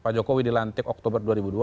pak jokowi dilantik oktober dua ribu dua puluh